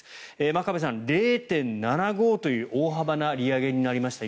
真壁さん、０．７５という大幅な利上げになりました